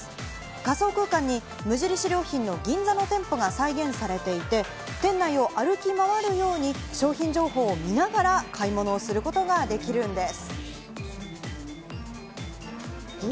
仮想空間に無印良品の銀座の店舗が再現されていて、店内を歩き回るように商品情報を見ながら買い物をすることができるんです。